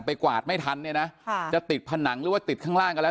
กวาดไม่ทันเนี่ยนะจะติดผนังหรือว่าติดข้างล่างก็แล้ว